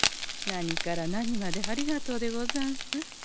何から何までありがとうでござんす。